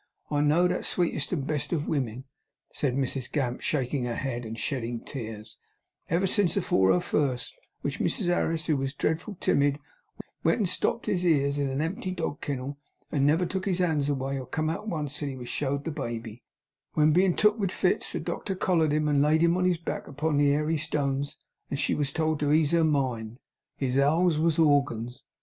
I have know'd that sweetest and best of women,' said Mrs Gamp, shaking her head, and shedding tears, 'ever since afore her First, which Mr Harris who was dreadful timid went and stopped his ears in a empty dog kennel, and never took his hands away or come out once till he was showed the baby, wen bein' took with fits, the doctor collared him and laid him on his back upon the airy stones, and she was told to ease her mind, his owls was organs.